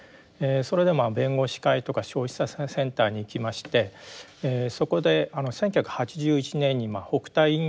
それで弁護士会とか消費者センターに行きましてそこで１９８１年に北炭夕張でですね